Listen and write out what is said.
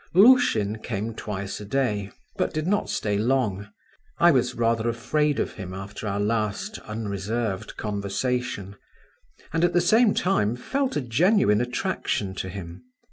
Lushin came twice a day, but did not stay long; I was rather afraid of him after our last unreserved conversation, and at the same time felt a genuine attraction to him.